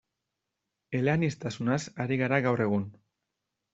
Eleaniztasunaz ari gara gaur egun.